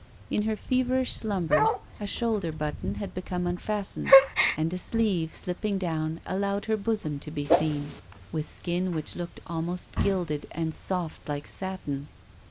In her feverish slumbers a shoulder button had become unfastened, and a sleeve slipping down allowed her bosom to be seen, with skin which looked almost gilded and soft like satin.